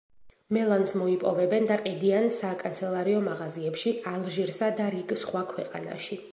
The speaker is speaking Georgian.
მელანს მოიპოვებენ და ყიდიან საკანცელარიო მაღაზიებში ალჟირსა და რიგ სხვა ქვეყანაში.